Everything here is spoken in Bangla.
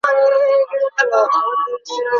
আমি সত্যিই তাকে পছন্দ করি।